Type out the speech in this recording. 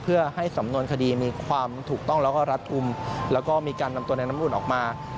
เพื่อให้สำนวนคดีมีความถูกต้องแล้วก็รัดอุ่ม